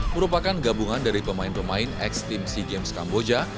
merupakan gabungan dari pemain pemain ex team sea games kamboja